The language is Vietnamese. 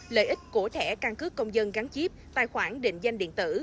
lợi ích của thẻ căn cước công dân gắn chip tài khoản định danh điện tử